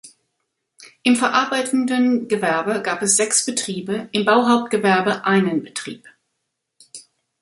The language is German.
Im verarbeitenden Gewerbe gab es sechs Betriebe, im Bauhauptgewerbe einen Betrieb.